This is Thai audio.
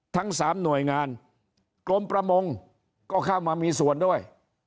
ทั้งสามหน่วยงานกรมประมงก็เข้ามามีส่วนด้วย